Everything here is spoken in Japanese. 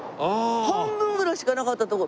半分ぐらいしかなかったとこ。